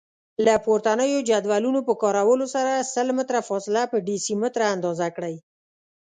له پورتنیو جدولونو په کارولو سره سل متره فاصله په ډیسي متره اندازه کړئ.